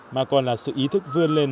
mà còn là sự ý thức vươn lên